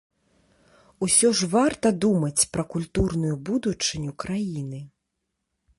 Усё ж варта думаць пра культурную будучыню краіны.